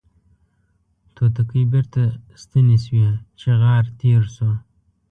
توتکۍ بیرته ستنې شوې چغار تیر شو